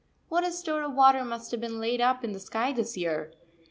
What a store of water must have been laid up in the sky this year.